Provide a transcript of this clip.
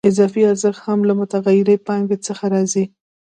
اضافي ارزښت هم له متغیرې پانګې څخه راځي